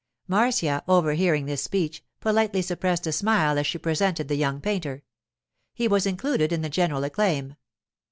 Marcia, overhearing this speech, politely suppressed a smile as she presented the young painter. He was included in the general acclaim.